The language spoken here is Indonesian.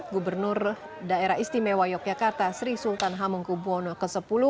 gubernur daerah istimewa yogyakarta sri sultan hamengkubwono x